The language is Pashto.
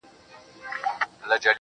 • كه بې وفا سوې گراني .